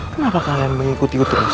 kenapa kalian mengikuti ku terus